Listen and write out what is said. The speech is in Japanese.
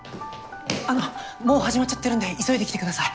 ・あのもう始まっちゃってるんで急いで来てください。